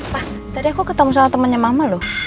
pak tadi aku ketemu soal temennya mama loh